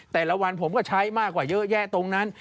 แต่ละวันผมก็ใช้มากกว่าเยอะแยะตรงนั้น